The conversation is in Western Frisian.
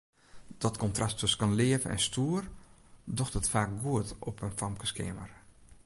Dat kontrast tusken leaf en stoer docht it faak goed op in famkeskeamer.